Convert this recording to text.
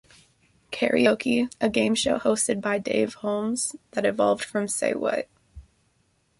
Karaoke", a game show hosted by Dave Holmes that evolved from "Say What?